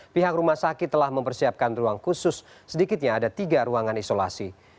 pihak rumah sakit telah mempersiapkan ruang khusus sedikitnya ada tiga ruangan isolasi